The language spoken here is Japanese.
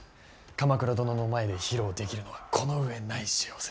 鎌倉殿の前で披露できるのはこの上ない幸せ。